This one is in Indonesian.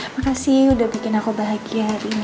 makasih udah bikin aku bahagia hari ini